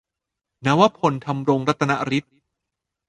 นวพล ธำรงรัตนฤทธิ์